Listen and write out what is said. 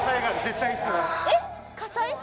えっ火災？